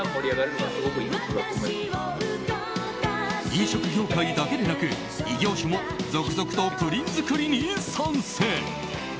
飲食業界だけでなく、異業種も続々とプリン作りに参戦。